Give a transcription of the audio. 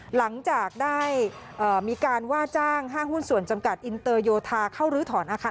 หลังจากได้มีการว่าจ้างห้างหุ้นส่วนจำกัดอินเตอร์โยธาเข้ารื้อถอนอาคาร